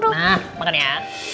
nah makan ya